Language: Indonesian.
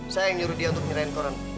saya yang nyuruh dia untuk nyerahin koran